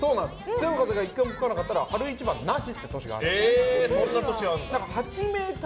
強い風が１回も吹かなかったら春一番はなしってことがそんな年があるんだ。